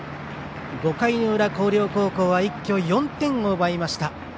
５回裏、広陵高校は一挙４点を奪いました。